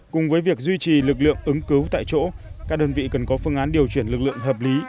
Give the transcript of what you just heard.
cùng với việc duy trì lực lượng ứng cứu tại chỗ các đơn vị cần có phương án điều chuyển lực lượng hợp lý